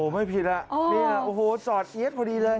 ไม่ผิดล่ะจอดเอี๊ยดพอดีเลย